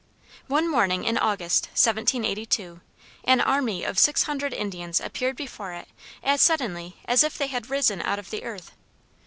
One morning in August, 1782, an army of six hundred Indians appeared before it as suddenly as if they had risen out of the earth.